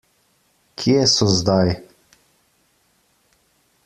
Kje so zdaj?